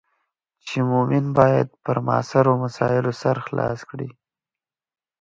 چې مومن باید پر معاصرو مسایلو سر خلاص کړي.